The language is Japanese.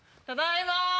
ただいま。